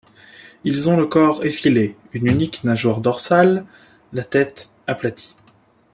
Ils ont le corps effilé, une unique nageoire dorsale, la tête aplatie.